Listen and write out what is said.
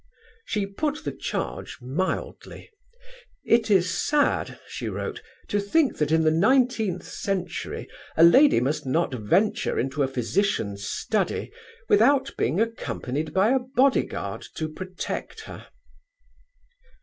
She put the charge mildly. "It is sad," she wrote, "to think that in the nineteenth century a lady must not venture into a physician's study without being accompanied by a bodyguard to protect her."